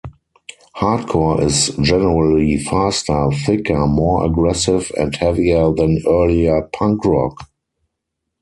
Hardcore is generally faster, thicker, more aggressive and heavier than earlier punk rock.